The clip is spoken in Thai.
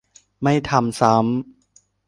ไม่ทำซ้ำ